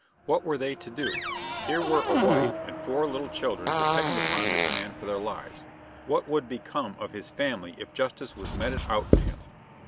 What were they to do? Here were a wife and four little children depending upon this man for their lives. What would become of his family if justice was meted out to him?